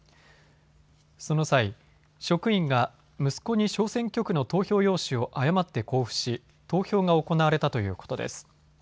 その際、職員が息子に小選挙区の投票用紙を誤って交付し投票が行われたということです。